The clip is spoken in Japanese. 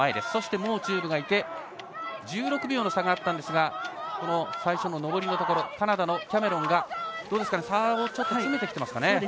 そして毛忠武がいて１６秒の差があったんですが最初の上りのところカナダのキャメロンは差をちょっと詰めてきていますかね。